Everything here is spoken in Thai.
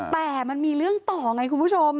แต่มันมีเรื่องต่อไงคุณผู้ชม